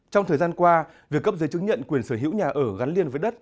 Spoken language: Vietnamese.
trong thời gian qua việc cấp giấy chứng nhận quyền sở hữu nhà ở gắn liên với đất